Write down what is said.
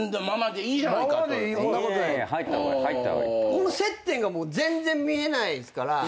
ここの接点が全然見えないっすから。